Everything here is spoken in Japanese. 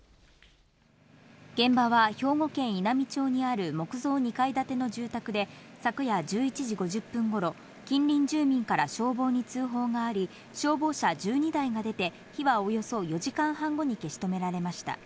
現場は兵庫県稲美町にある木造２階建ての住宅で、昨夜１１時５０分ごろ、近隣住民から消防に通報があり、消防車１２台が出て、火はおよそ４時間半後に消し止められました。